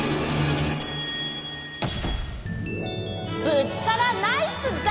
ぶつからナイス貝？